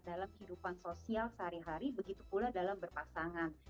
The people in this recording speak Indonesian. dalam kehidupan sosial sehari hari begitu pula dalam berpasangan